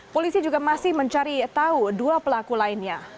polisi juga masih mencari tahu dua pelaku lainnya